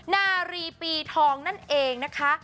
นารีปีทองนั่นเองนะคะ